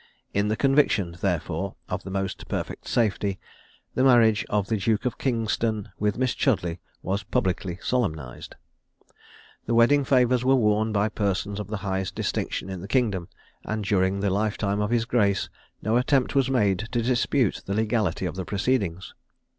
In the conviction, therefore, of the most perfect safety, the marriage of the Duke of Kingston with Miss Chudleigh was publicly solemnised. The wedding favours were worn by persons of the highest distinction in the kingdom; and during the life time of his grace, no attempt was made to dispute the legality of the proceedings.